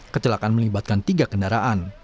kecelakaan melibatkan tiga kendaraan